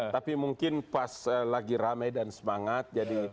tapi mungkin pas lagi ramai dan semangat jadi